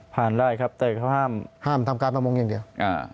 ผ่านได้ครับแต่เขาห้ามห้ามทำการประมงอย่างเดียวอ่า